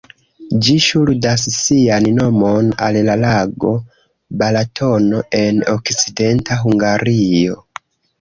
Ĝi ŝuldas sian nomon al la lago Balatono, en okcidenta Hungario.